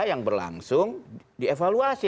yang berlangsung dievaluasi